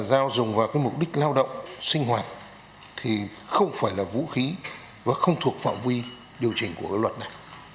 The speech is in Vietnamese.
dao dùng vào cái mục đích lao động sinh hoạt thì không phải là vũ khí và không thuộc phạm vi điều chỉnh của cái luật này